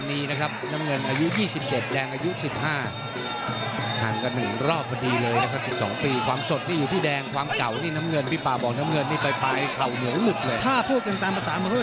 เอ่อน้ำเงินที่คุณภาพไม่ได้นะครับ